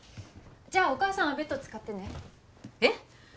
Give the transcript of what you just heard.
じゃあお母さんはベッド使ってねえっ？